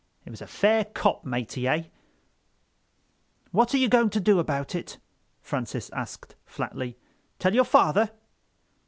It was a fair cop, matey, eh?" "What are you going to do about it?" Francis asked flatly; "tell your father?"